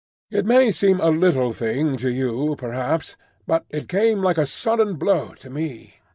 It may seem a little thing to you, perhaps, but it came like a sudden blow to me.